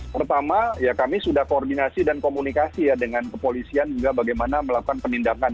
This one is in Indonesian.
pertama ya kami sudah koordinasi dan komunikasi ya dengan kepolisian juga bagaimana melakukan penindakan